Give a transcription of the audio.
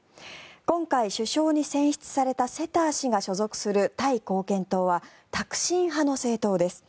今回、首相に選出されたセター氏が所属するタイ貢献党はタクシン派の政党です。